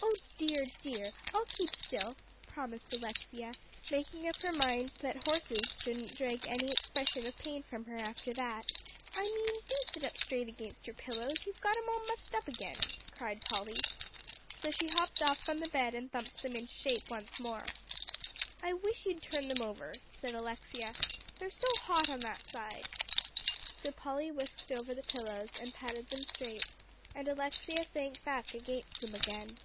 "Oh dear, dear! I'll keep still," promised Alexia, making up her mind that horses shouldn't drag any expression of pain from her after that. "I mean, do sit up straight against your pillows; you've got 'em all mussed up again," cried Polly. So she hopped off from the bed, and thumped them into shape once more. "I wish you'd turn 'em over," said Alexia: "they're so hot on that side." So Polly whisked over the pillows, and patted them straight, and Alexia sank back against them again.